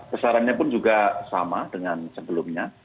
besarannya pun juga sama dengan sebelumnya